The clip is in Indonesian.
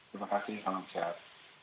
terima kasih salam sehat